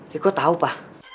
riku tau pa